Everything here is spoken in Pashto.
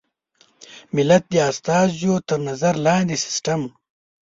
ملت د استازیو تر نظر لاندې سیسټم.